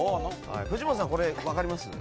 藤本さん、これ分かります？